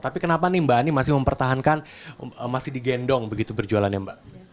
tapi kenapa nih mbak ani masih mempertahankan masih digendong begitu berjualannya mbak